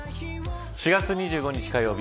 ４月２５日火曜日